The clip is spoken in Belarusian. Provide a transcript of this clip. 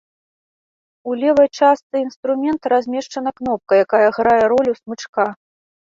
У левай частцы інструмента размешчана кнопка, якая грае ролю смычка.